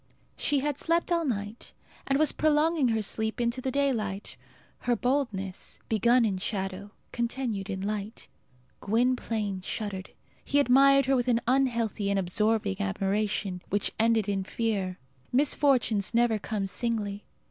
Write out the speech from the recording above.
She had slept all night, and was prolonging her sleep into the daylight; her boldness, begun in shadow, continued in light. Gwynplaine shuddered. He admired her with an unhealthy and absorbing admiration, which ended in fear. Misfortunes never come singly.